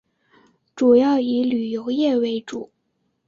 主要以旅游业为主。